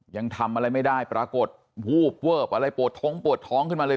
ยังทำอะไรไม่ได้ปรากฏวูบเวิบอะไรปวดท้องปวดท้องขึ้นมาเลย